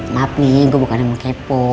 maaf nih gue bukan emang kepo